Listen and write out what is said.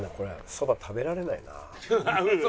そば食べられないな。